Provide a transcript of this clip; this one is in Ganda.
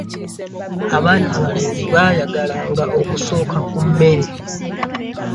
Abaana abalenzi baayagalanga okusooka ku mmere.